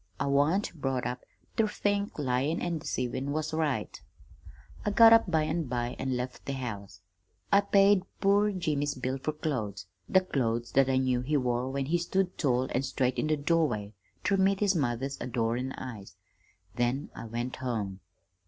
I wan't brought up ter think lyin' an' deceivin' was right. "I got up by an' by an' left the house. I paid poor Jimmy's bill fer clothes the clothes that I knew he wore when he stood tall an' straight in the doorway ter meet his mother's adorin' eyes. Then I went home.